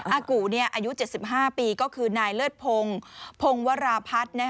อากูอายุ๗๕ปีก็คือนายเลิศพงศ์พงวราพัฒน์